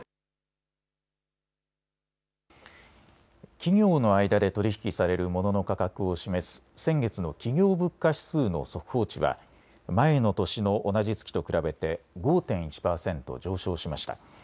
企業の間で取り引きされるモノの価格を示す先月の企業物価指数の速報値は前の年の同じ月と比べて５．１％上昇しました。